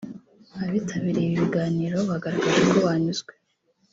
Abitabiriye ibi biganiro bagaragaje ko banyuzwe